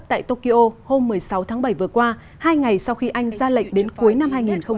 các nhà cung cấp tại tokyo hôm một mươi sáu tháng bảy vừa qua hai ngày sau khi anh ra lệnh đến cuối năm hai nghìn hai mươi bảy